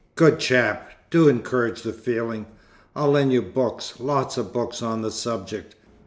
"Good chap! Do encourage the feeling. I'll lend you books, lots of books, on the subject.